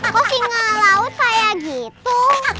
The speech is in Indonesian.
kok singa laut kayak gitu